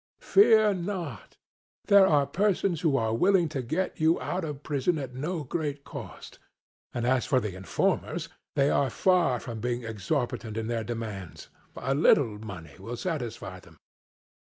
CRITO: Fear not there are persons who are willing to get you out of prison at no great cost; and as for the informers they are far from being exorbitant in their demands a little money will satisfy them.